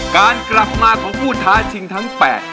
การกลับมาของผู้ท้าชิงทั้ง๘